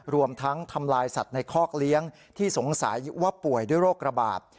รวมทั้งทำลายสัตว์ในคอกเลี้ยงที่สงสัยว่าป่วยด้วยโรคระบาด